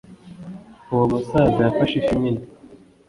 uwo musaza yafashe ifi nini